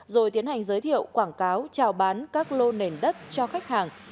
rồi tiến hành giới thiệu quảng cáo trào bán các lô nền đất cho khách hàng